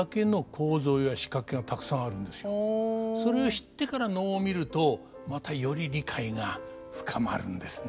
それを知ってから能を見るとまたより理解が深まるんですね。